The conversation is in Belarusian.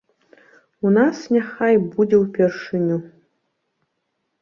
У нас няхай будзе ўпершыню.